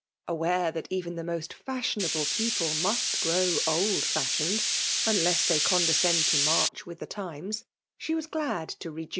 Aware that evev the mwi faahioimble pecple must grow aftl fashionedt vnless thej eondescend to mssdi with the times, she was ghid to re jii?